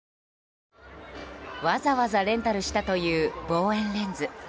わざわざレンタルしたという望遠レンズ。